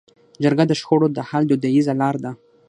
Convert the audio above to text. جرګه د شخړو د حل دودیزه لار ده.